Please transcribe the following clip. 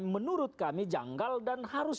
menurut kami janggal dan harus